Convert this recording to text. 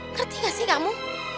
ngerti nggak sih kamu